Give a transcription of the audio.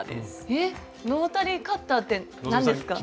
えっロータリーカッターって何ですか？